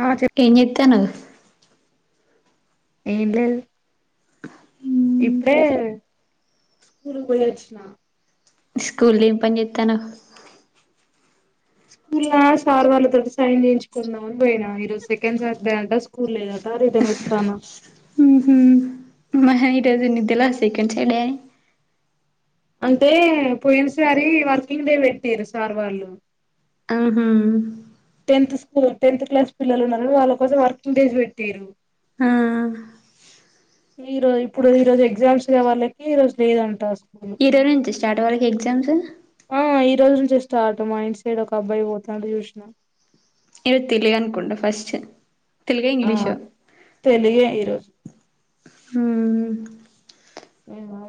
ఆ చెప్ ఎనితేను ఏడి ఇప్పుడే స్కూల్ పోయచ్చిన స్కూలి పడితను స్కూల్ సార్ వాళ్ళతోటి సైన్ చేయించుకుందాం అని పోయినా ఈరోజు సెకండ్ సార్ంట స్కూల్ లేద ఎారు ఇదను వస్తాను ఈ రజు నిదలా సేకండ్ చెడని అంటే పోయిన సారి వర్కింగ్ డే పెట్టిర్రు సార్ వాళ్ళు ఆహ టెన్త్ స్కూల్ టెన్త్ క్లాస్ పిల్లలు ఉన్న వాళ్ళ కోసం వర్కింగ్ డేస్ పెట్టిర్రు ఆ ఈ రజు ఇప్పుడు ఈ రోజు ఎగ్జామ్స్ వాళ్ళకి ఈ రోజు లేదంటారు ఈ రోజు నుంచి స్టార్ట్ వాళ్ళకి ఎగ్జామ్స్ ఆ ఈ రోజు నుంచే స్టార్ట్ మా ఇండ్ సైడ్ ఒక అబ్బాయి పోతుాంది చూసిన ఈ రోజు తెలుగను కుంట ఫస్ట్ తెలుగో ఆ ఇంగ్లీషో తెలుగే ఈరోజు ఉ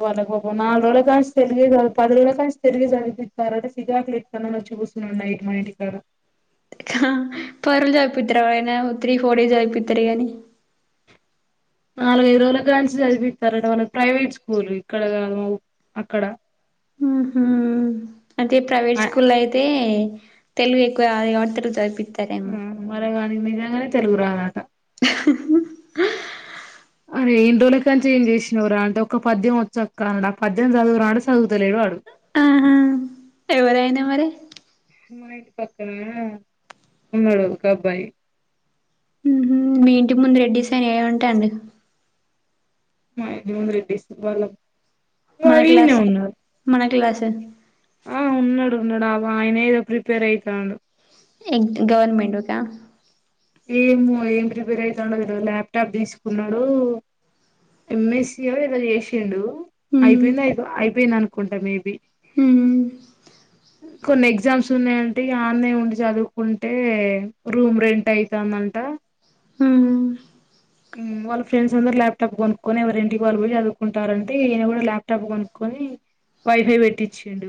వాళ్ళు పాపం నాలుగు రోజుల కాంచి తెలుగే పది రోజుల్లో కాంచి తెలుగే చదివిస్తారట చికాకు లేతంది వచ్చి కూసున్నడు నైట్ మా ఇంటి కాడ ఆహా పది రోజులు సదువుపిత్తర ఎవరైనా త్రీ ఫోర్ డేస్ చదువుపిత్తరు గాని నాలుగైదు రోజుల కాంచి చదిపిత్తరట వాళ్లకి ప్రైవేట్ స్కూల్ ఇక్కడ అక్కడ ఆ హ అయితే ప్రైవేట్ స్కూల్ అయితే తెలుగు ఎక్కువత చదిపిత్ మరే గాని నిజంగానే తెలుగు రాదాట అరే ఎన్ని రోజుల కంచి ఏం చేసినవరా అంటే ఒక పద్యం వచ్చా అక్క అన్నాడు ఆ పద్యం చదువురాడు చదువుతలేడు వాడు ఎవరయినా మరి మా ఇంటి పక్కన ఉన్నాడు ఒక అబ్బాయి ఉహు మీ ఇంటి ముందు రెడ్డిసైనా ఏం అంటండు మా ఇంటి మందు రెడ్డిసువాల మన యినే క్లాస్ ఉన్నాడు మన క్లాస్ ఆ ఉన్నాడు ఉన్నడా ఆయన ఏదో ప్రిపేర్ ఐతాండు [unintelligible] ఏమ ఏం ప్రిపేర్ అయితండో తెల్వదు ల్యాప్టాప్ డీసుకున్నాడు ఎంఎస్సియ ఇదో చేసిండు అయిపోయింద అయి అయిపోయింది అనుకుంటా మేబి హ కొన్ని ఎగ్జామ్స్ ఉన్నాయంటే ఆన్నే ఉండి చదువుకుంటే రూమ్ రెంట్ అయి రమ్మంట ళ్ళ ఫ్రండ్స్ అందరు ల్యాప్టాప్ కొనుక్కొని ఎవరి ఇంటికి వాళ్ళుడి చదువుకుంటారంటేయన కూడా ల్యాప్టాప్ కొనుక్కొని అని వైఫై పెట్టిచ్చిండు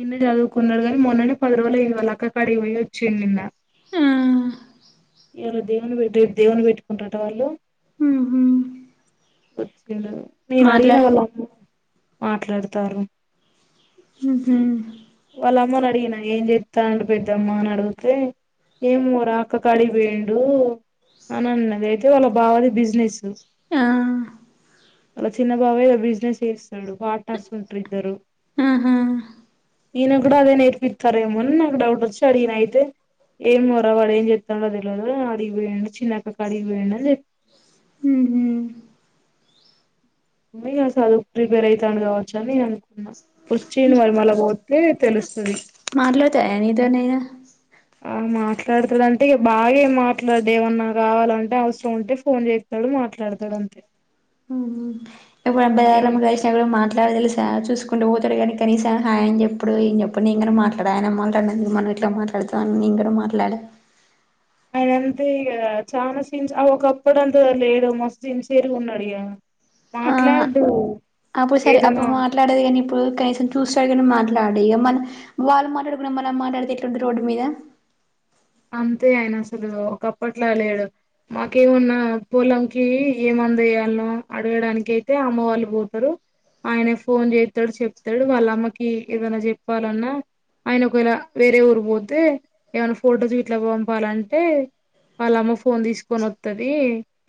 ఇన్నే చదువుకున్నాడు గానీ మొన్ననే పది రోజులు ఐంది వాళ్ళ అక్క కాడిగిపోయి వచ్చిండు నిన్న ఈయాల దేవుని పే రేపు దేవుని పెట్టుకుంటారట వాళ్ళు వచ్చిడు నేను మాట్లా అడిగిన వాళ్ళ అమ్మ. మాట్లాడుతార్రు ఉ హు వాళ్ళ అమ్మని అడిగిన ఏం జేత్తండు పెద్దమ్మా అని అడిగితే ఏమో రా అక్క కాడికి భేండు అని అన్నది అయితే వాళ్ళ బాగాది బిజినెస్ ఆ అలా చిన్న బాబయ బిజినెస్ చేస్తాడు పార్ట్నర్స్ ఉంటారు ఇద్దరు ఆహా ఈయన కూడా అదే నేర్పిస్తారేమోని నాకు డౌట్ వచ్చి అడిగిన అయితే ఏం మొర వాడ ఏం చెప్స్తాడుో తెలిదు అడిగి వేడు చిన్నక అడిగి వేయండి అని చె ఉమ్రి చదు ప్రిపేర్ అయితాడు కావచ్చు అని అనుకున్నా వచ్చిడు మరి మళ్ళ పోతే తెలుస్తది మాట్లాడతాయా నీతో ని ఇగ ఆ మాట్లాడుతడంటే బాగా మాట్లాడు ఏమన్నా కావాలంటే అవసరం ఉంటే ఫోన్ చెత్తడు ఉ మాట్లాడతాడంతే ఎప్పుడు బార గ మా మాట్లాడ తెలి సా చూసుకుంట పోతాడు కానీస హాయ చెప్పుడు ఏం చెడు నేనుక మాట్లాడా అన అమ్మ అందుకు మనం ఇట్లా మాట్లాడుతా అన్న నను కూడా మాట్లాడ ఆయన అంతే ఇక చాలా చిన్ ఒకప్పుడు అంత లేడు మస్తు చిన్సరి ఉన్నాడు ఇక ఆ అప్పుడు సరే అప్పుడు ఏదన్నా మాట్లాడేది కానీ ఇప్పుడు కనీసం చూస్తాడు కానీ మాట్లా మాట్లాడ ఇక మన వాళ్ళు మాట్లాడుకున్న మన మాట్లాడితే ఎట్లాంట రోడ్డు మీద అంతే ఆయన అసలు ఒకప్పట్లా లేడు మాకేమున్నా పొలంకి ఏమ ంద వయాలను అడగడానికి అయితే అమ్మ వాళ్ళు పోతారు ఆయనే ఫోన్ చేస్తాడు చెప్తాడు వాళ్ళమ్మకి ఏదన్నా చెప్పాలన్నా ఆయన ఒకవేళ వేరే ఊరి పోతే ఏమైనా ఫొటోస్ ఇట్లా పంపాలంటే వాళ్ళమ్మ ఫోన్ తీసుకొని వస్తుది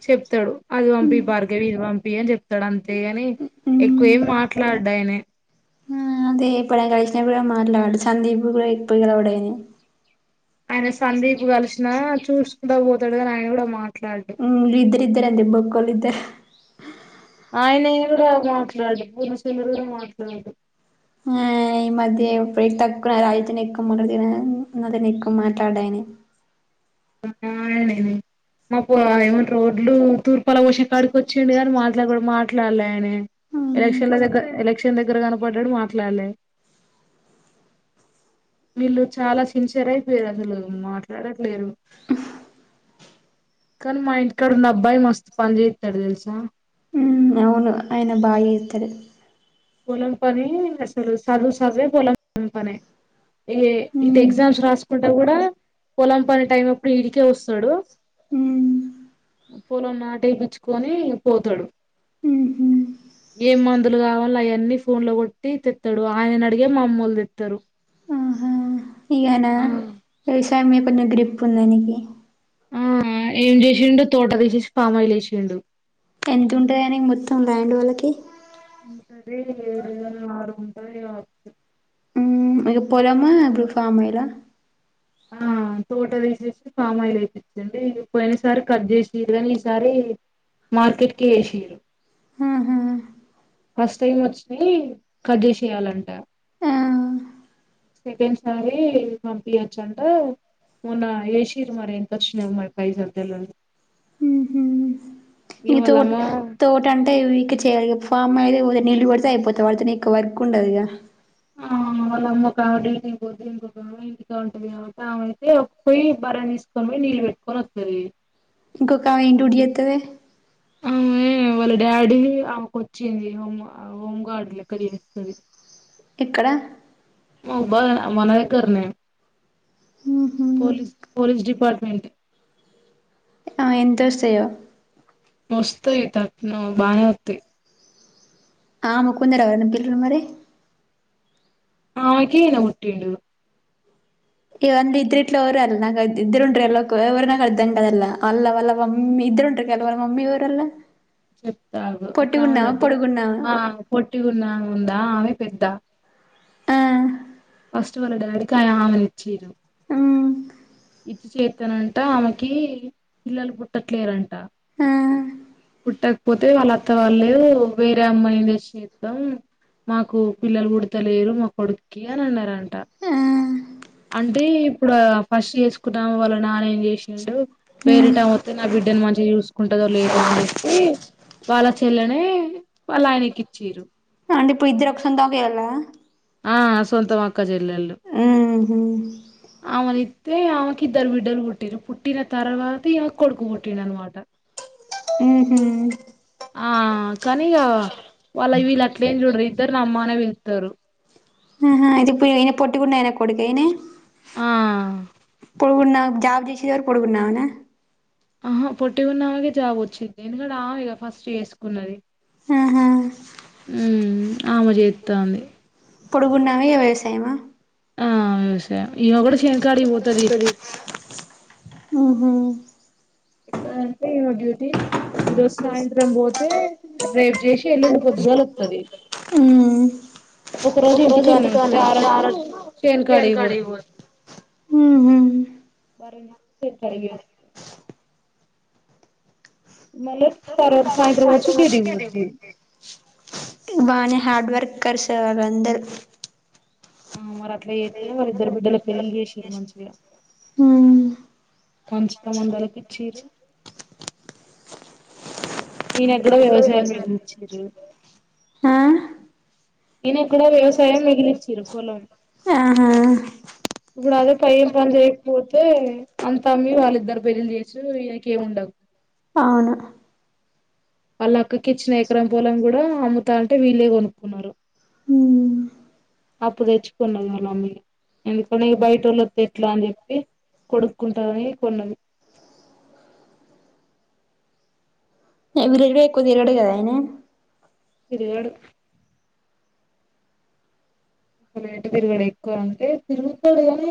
చెప్తాడు అది పంపి భార్గవి ఇది పంపి అని చెప్తాడు అంతే గాని ఎక్కువ ఏమి మాట్లాడ్డాయనే అదేప్పుడుడే కళినప్పు మరిలా సందీప్ గు ఇప్పుగా అడను ఆయన సందీప్ కలిసినా చూసుకుంటడా పోతాడు అని ఆయన కూడా మాట్లాడుడు ద్దర అం దిబ్బకులుద్దరు ఆయన కూడా మాట్లాడు పూర్నసేన గ మాట్లాడు ఆ ఈ మధ్య ఎప్పుే తక్కున రాజ్య న ఎకు మ అ త న ఎకు మాట్లాడ అని ఆయననే మా ఏమన్నా రోడ్లు తూర్పల భోషా కాడికి వచ్చిడు కానీ మాట్లాడకూ మాట్లాడలే అని ఎలక్షన్ల దగ్గర ఎలక్షన్ దగ్గర కనపడ్డాడు మాట్లాడలే వీళ్ళు చాలా సిన్సియర్ అయిపోయారు అసలు మాట్లాడట్లేరు కానీ మా ఇంటికాడ ఉన్న అబ్బాయి మస్తు పని చేస్తాడు తెలుసా అవును ఆయన బాగా చేస్తారు కొలంపానే సలు సాధు సవే కొలంం పనే ఏ ఇతే ఉమ్ ఎగ్జామ్స్ రాసుకుంటా కూడా పొలం పని టైం ఎప్పుడు ఈడికే వస్తాడు ఉమ్ పొలం నాటేయిచ్చుకొని పోతాడు ఉహు ఏం మందులు కావాల అయ అన్నీ ఫోన్ లో కొట్టి తెత్తాడు ఆయన అడిగే మా అమ్మళ్లు తెత్తారు ఆహా ఇగనా వ్యవసాయ మీద కొంచెం గ్రిప్ ఉందిానికి ఆ ఏం చేసిిడు తోట తీ చేేసి ఫమాలుసిిడు ఎంత ఉంటది కాని మొత్తం ల్యాండ్ వాళ్ళకి ఇంతది ఏడు వేల ఆరు ఉంటాయి ఆ ఇక పొలమా అప్పుడు ఫమలా ఆ తోట తీసేసి ఫమాయిలు అయిించండి పోయిన సారి కట్ చేసి కాని ఈసారి మార్కెట్కి ఏసిర్రు ఆహా ఫస్ట్ టైం వచ్చిన కజేసయాలంట ఆ సక స మంపిీ అచ్చ మన్న ఏేసిర మరిేంత తక్షణ అమ్మాయి పైస తెల మ్హూ ఇంక తోట తోట అంటే ఇక చెయాలి ఫమ్ అయిది నీల్లు వడితే అయిపోతా వాళ్ళతేనే ఇం వర్క్ ఉండదుగా ఆ వా అమ్మ కావ ఇంటి పోద్దు ఇంకో కావ ఇంటికా ఉంటుంది కాబ అయితే పోయి బర మీ నీళ్ళ పెేట్టుకుొని వర ఇంకొక ఆమె ఏం డ్యూటీ చేస్తది అవును వాళ్ళ డాడీ ఆమెకు వచ్చింది హోమ్ హోంగార్డ్ లెక్క చేస్తుంది ఇక్కడ మహుబా మన దగ్గరనే మ్హూ పోలీస్ పోలీస్ డిపార్ట్మెంట్ ఆ ఎంతొస్తాయో వస్తయి తట్ నువ్ బానే వొత్తయ్ ఆ ముకుందరావం పిల్ మరి ఆమె కీనా ముట్టిండు ఇ వంద ఇద్దరిట్ల ఎవరో అల్ నాకైతి ఇద్దరుంటారు ఎళ్లకో ఎవరో నాకు అర్ధం తాటెల్ల అంద్ల అల్ మమ్మీ ఇద్దరుంటారు కల వాళ్ళ మమ్మీ ఎవరల్లో చెప్తాగు ఒక ఆమె లడ్డుగా ఆ పొట్టి ఉన్న ఆమె ఉందా ఆమె పెద్ద ఆ ఫస్ట్ వాళ్ళ డాడీ కి ఆయామ ఈచిర్రు మ్ ఇత్తు చేతనంట ఆమెకి పిల్లలు పుట్టట్లేరంట అవునా పుట్టకపోతే వాళ్ళ అత్త వాళ్ళు వేరే అమ్మాయి తెచ్చి చేత్తం మాకు పిల్లలు పుడతలేరు మా కొడుక్కి అని అన్నరంట అంటే ఇప్పుడు ఫస్ట్ చేసుకున్నాము వాళ్ళ నాన్న ఏం చేసిండు వేరే టైంమతే నా బిడ్డని మంచిగా చూసుకుంటదో లేదో అని చెప్పి వాళ్ళ చెల్లనే వాళ్ళ ఆయనకిచ్చిర్రు అంటే ఇప్పుడు ఇద్దరు ఒక సందుకే ఎళ్ళవా ఆ సొంతం అక్క చెల్లలు ఉహు అయితే ఆమెకి ఇద్దరు బిడ్డలు పుట్టిర్రు పుట్టిన తర్వాత ఈమెకు కొడుకు బుట్టిండు అనమాట ఉ హు ఆ కానిగ వాళ్ళ వీళ్ళు అట్లే ఏం చూడరు ఇద్దరు నమ్మానే పిల్లుత్తారు ఆది పోయ్ ఇనా పొట్టి గుండే అయినా కొడుకయినే ఆ ఇప్పుడూ నాకు జాబ్ చేసే వారు పొడుగున్న అవేనా ఆహా పొట్టికున్న ఆమెకే జాబ్ వచ్చింది ఎందుకంటే ఆమెగా ఫస్ట్ చేసుకున్నది ఆహా ఉ ఆమె చేత్తాంది పొడుగున్నామ వ్యవసాయమా ఆ వ్యవసాయం ఈమె కూడా చేనుకాడికి పోతది ఆహా ఎక్కడ అంటే డ్యూటీ ఈరోజు సాయంత్రం పోతే రేపు చేసి ఎల్లుండి పొద్దుగాలు వత్తది మ్ ఒక రోజు ఇంటికానంటే ఉంటదా ఆ రోజు చేనుకాడకి పోద్ది ఉహు పరిగెత్ మల్లే బానే హార్డ్వర్కర్స్ వాలందర్ ఆ మరి అట్లా చేతే మరి ఇద్దరు బిడ్డల పెళ్ళలు చేసిరు మంచిగా హ మంచి సం మందలకిచ్చిరు ఇనక్కుడా వ్యవసాయం మేమిచ్చురు ఆ ఇనా కూడా వ్యవసాయం మిగిలిచ్చరు పోలం ఆ ఇప్పుడు అదే ప ఏం పని చేయకపోతే అంత అమ్మి వాళ్ళిద్దరు పెళ్లి చేసి వకి ఏమిండవు అవును వాళ్ళ అక్కకి ఇచ్చిన ఎకరం పొలం కూడా అమ్ముతా అంటే వీలే కొనుక్కున్నారు అప్పు తెచ్చుకున్నది వాళ్ళమీ ఎందుకని బయటోళ్ళొతే ఎట్లా అని చెప్పి కొడుక్కుంటారని కొన్నది ఎవివరీ డే ఎక్కువ తీరుగడు కదా అయినే తెడు అసలు ఎటు తిరుగడు ఎక్కువ అంటే తిరుగుతాడు కానీ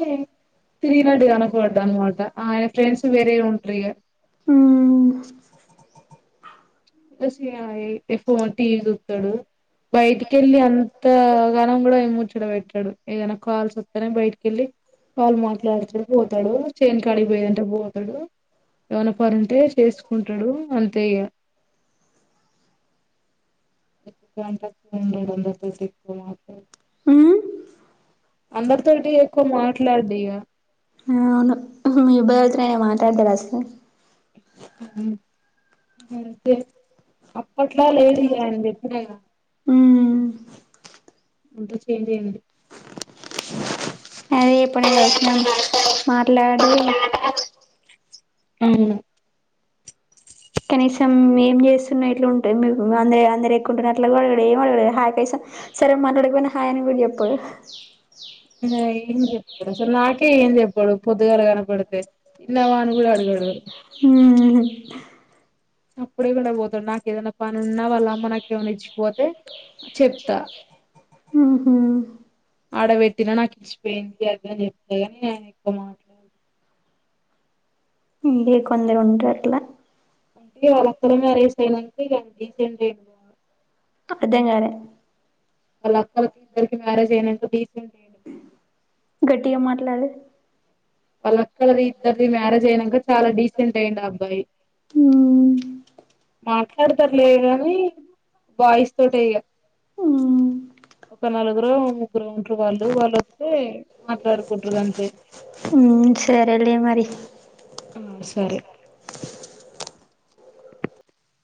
తిరినాటిగినట్టు కనపడన్నామటా ఆయన ఫ్రెండ్స్ వేరే ఉంట్రిగా హుమ్ ప్లస్ ఇగ ఎక్కువ టీవి ఉత్తడు బయటికిెళ్ళి అంతగానం కూడా ఏ ముచ్చడ పెెట్టాడు ఏదైనా కాల్స్ వస్తేనే బయటికిెళ్ళి కాల్ వ మాట్లాడుతపోతాడు చేన్ కాడిగిపోయిదంటే పోతాడు ఏమన పనుంటే చేసుకుంటాడు అంతే ఇగ ఎంట [unintelligible] మాత్ర మ్మ్ అందరితోని ఎక్కువ మాట్లాడిగ ఆ అవును మీ అబ్బాయ్ ఎవరితోనైనా మాట్లాడుతాడా అసలు హు అంతే అప్పట్లా లేడు ఇగ అయిన చెప్పిన గ మ్మ్ అంత చేంజ్ ఆఇంది అది ఎప్పుడ కసినం మాట్లడు అవును కనీసం ఏం చేస్తున్న ఏట్ల ఉంటా అంద అందరు ఎక్కుంటున్న అట్లా కూడ అడుగడు ఏం అడుగడు హయ్ కనీసం సరే నట్లాడక పోయిన హాయ్ అని కూడ చెప్పాడు ఇలా డు పొద్దుగాల కనపడితే తిన్నవా అని కూడా అడుగడు మ్మ్ సప్పుడు చేయకుండా పోతాడు నాకు ఏదైనా పని ఉన్న వాళ్ళ అమ్మ నాకు ఏమన్న ఇచ్చిపోతే చెప్తా ఆహా ఆడబెట్టినా నాకు ఇచ్చిపోయింది అది అని చెప్తేగాని అయిన ఎక్కువ మాట్లాడడు ఇందే కొందరూంటరట్ల అంటే వాళక్కల మ్యారేజ్ అయనంక ఇగ అయిన డీసెంట్ ఆఇండు గా అర్థం కాలే వాళ్ళ అక్కలకి ఇద్దరికి మ్యారేజ్ అయనంక డీసెంట్ ఆఇండు బానే టిగ మాట్లాడు వాళ్ళక్కది ఇద్దరిది మ్యారేజ్ అయినంక చాలా డీసెంట్ అయిండు అ అబ్బాయి ఆ మాట్లాడతారులే కాని బాయిస్ తోటే ఇగ హలో.. ఒక నలుగురో ముగ్గురో ఉంటరు వాళ్ళు వాళ్ళొత్తే మాట్లాడుకుంటురు అంతే హు సరే లే మరి ఆ సరే